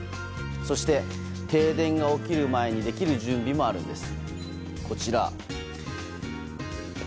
そして、停電が起きる前にできる準備もあるんです。